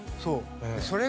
それ。